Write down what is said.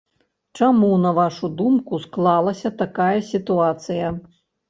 Чаму, на вашу думку, склалася такая сітуацыя?